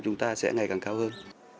chúng ta sẽ ngày càng cao hơn